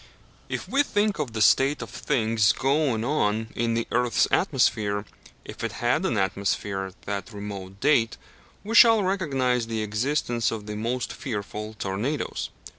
If we think of the state of things going on in the earth's atmosphere, if it had an atmosphere at that remote date, we shall recognize the existence of the most fearful tornadoes.